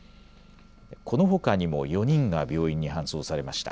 このほかにも４人が病院に搬送されました。